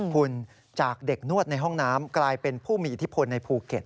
คุณจากเด็กนวดในห้องน้ำกลายเป็นผู้มีอิทธิพลในภูเก็ต